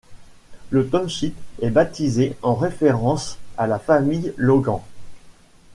Le township est baptisé en référence à la famille Logan.